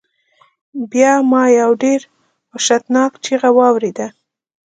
بیا ما یو ډیر وحشتناک چیغہ واوریده.